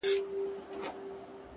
نظم د لویو لاسته راوړنو بنسټ دی!